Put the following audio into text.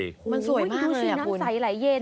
มันสวยมากเลยอ่ะคุณ